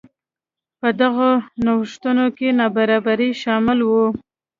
په دغو نوښتونو کې نابرابري شامل وو.